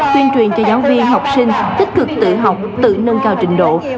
tuyên truyền cho giáo viên học sinh tích cực tự học tự nâng cao trình độ